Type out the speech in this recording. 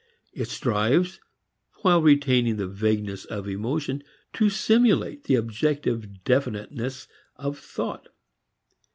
It strives while retaining the vagueness of emotion to simulate the objective definiteness of thought.